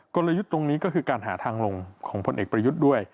กลยุทธ์ตรงนี้ก็คือการหาทางลงของพลเอกประยุทธ์ด้วย